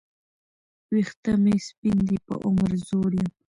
وېښته مي سپین دي په عمر زوړ یم